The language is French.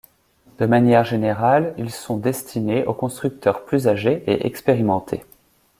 De manière générale, ils sont destinés aux constructeurs plus âgés et expérimentés.